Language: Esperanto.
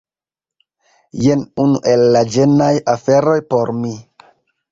Jen unu el la ĝenaj aferoj por mi